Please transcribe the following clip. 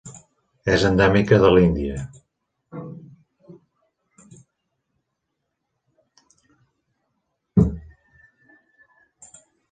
És endèmica de l'Índia.